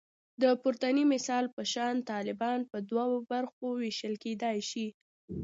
د پورتني مثال په شان طالبان په دوو برخو ویشل کېدای شي